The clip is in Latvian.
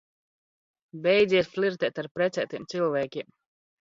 Beidziet flirt?t ar prec?tiem cilv?kiem!